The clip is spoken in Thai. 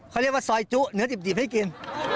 เขาเรียกว่าซอยจุเนื้อดิบให้กิน